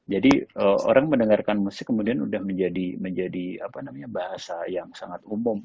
jadi orang mendengarkan musik kemudian sudah menjadi bahasa yang sangat umum